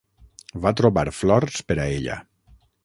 Va trobar flors per a ella.